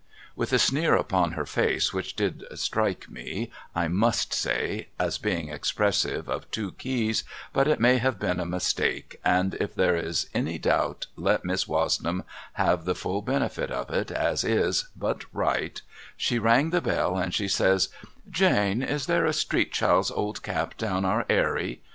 * With a sneer upon her face which did strike me I must say as being expressive of two keys but it may have been a mistake and if there is any doubt let Miss Wozenham have the full benefit of it as is but right, she rang the bell and she says ' Jane, is there a street child's old cap down our Airy